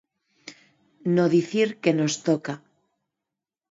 No dicir que nos toca.